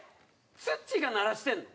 ツッチーが鳴らしてるの？